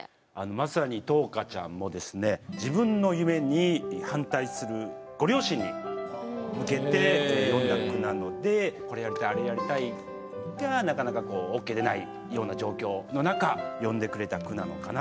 まさに桃花ちゃんもですね自分の夢に反対するご両親に向けて詠んだ句なのでこれやりたい、あれやりたいがなかなかＯＫ出ないような状況の中詠んでくれた句なのかなと。